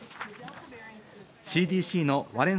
ＣＤＣのワレン